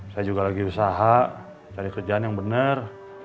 saya juga lagi usaha cari kerjaan yang benar